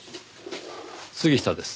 杉下です。